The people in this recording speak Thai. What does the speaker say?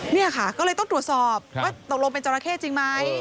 นี่ค่ะก็เลยต้องตรวจสอบว่าตกลงเป็นจราเข้จริงไหม